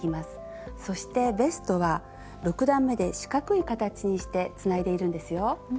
そしてベストは６段めで四角い形にしてつないでいるんですよ。